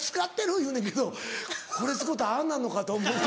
言うねんけどこれ使うたらああなるのかと思うと。